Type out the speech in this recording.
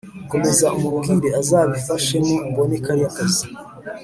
komeza umubwire azabifashemo mbone kariya kazi